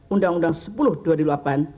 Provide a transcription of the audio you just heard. undang undang dasar sepuluh dua ratus delapan